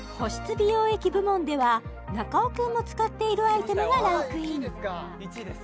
美容液部門では中尾くんも使っているアイテムがランクイン